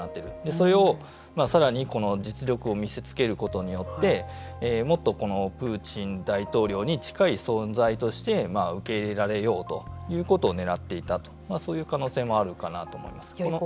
それをさらに実力を見せつけることによってもっとプーチン大統領に近い存在として受け入れられようということをねらっていたとそういう可能性もあるかなと思います。